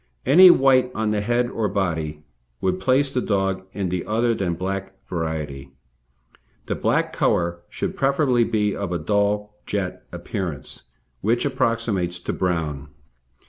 Any white on the head or body would place the dog in the other than black variety. The black colour should preferably be of a dull jet appearance which approximates to brown.